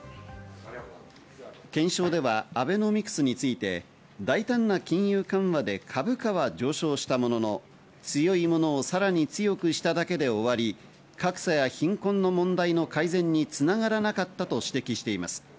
検証ではアベノミクスについて、大胆な金融緩和で株価は上昇したものの、強いものをさらに強くしただけで終わり、格差や貧困の問題の改善に繋がらなかったと指摘しています。